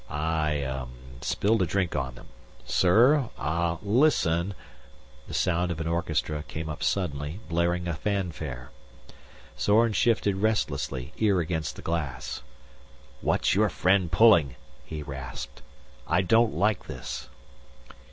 "I ah spilled a drink on them. Sir. Ah listen...." The sound of an orchestra came up suddenly, blaring a fanfare. Zorn shifted restlessly, ear against the glass. "What's your friend pulling?" he rasped. "I don't like this."